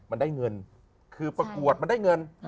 มันได้เงินคือประกวดมันได้เงิน